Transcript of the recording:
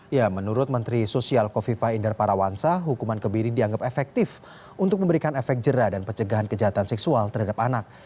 ya menurut menteri sosial kofifa inder parawansa hukuman kebiri dianggap efektif untuk memberikan efek jerah dan pencegahan kejahatan seksual terhadap anak